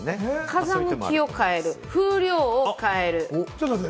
風向きを変える、風量を変える。